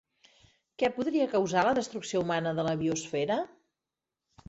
Què podria causar la destrucció humana de la biosfera?